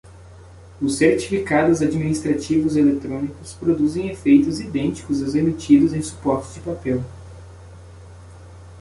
Os certificados administrativos eletrônicos produzem efeitos idênticos aos emitidos em suporte de papel.